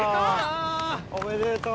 おめでとう。